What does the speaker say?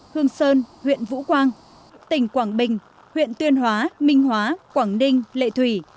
hương sơn huyện vũ quang tỉnh quảng bình huyện tuyên hóa minh hóa quảng ninh lệ thủy